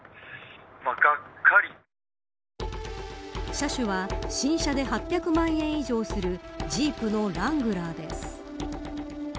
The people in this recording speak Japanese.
車種は、新車で８００万円以上するジープのラングラーです。